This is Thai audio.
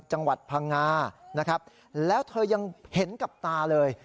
จังหวัดพังงานะครับแล้วเธอยังเห็นกับตาเลย